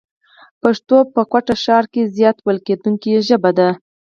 پښتو په کوټه ښار کښي زیاته ويل کېدونکې ژبه ده.